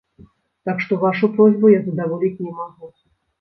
Так што вашу просьбу я задаволіць не магу.